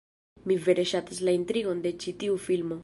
Mi vere ŝatas la intrigon de ĉi tiu filmo